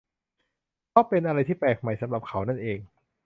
เพราะเป็นอะไรที่แปลกใหม่สำหรับเขานั่นเอง